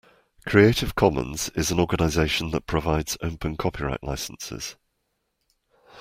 Creative Commons is an organisation that provides open copyright licences